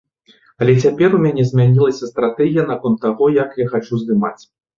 Але цяпер у мяне змянілася стратэгія наконт таго, як я хачу здымаць.